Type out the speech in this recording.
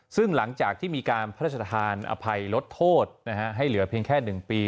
ซึ่งหลังจากที่มีการพระราชทานอภัยลดโทษให้เหลือเพียงแค่๑ปี